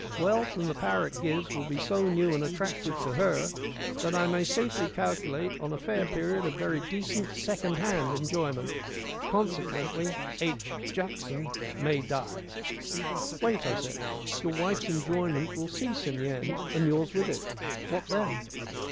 Wealth, and the power it gives, will be so new and attractive to her that I may safely calculate on a fair period of very decent second hand enjoyment; consequently, H. Jackson may die." "Wait," I said, "your wife's enjoyment will cease in the end, and yours with it. What then?"